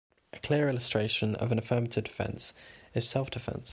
A clear illustration of an affirmative defense is self defense.